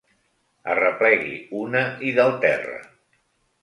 Arreplegui una i del terra.